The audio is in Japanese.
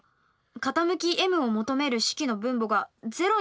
傾きｍを求める式の分母が０になってしまいます。